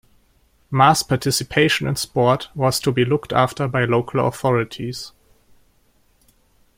Mass-participation in sport was to be looked after by local authorities.